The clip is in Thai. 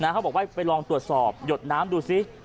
เขาบอกว่าไปลองตรวจสอบหยดน้ำดูซิ